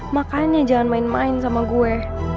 makanya jangan main main sama gue